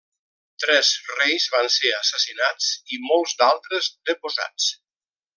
Tres reis van ser assassinats i molts d'altres deposats.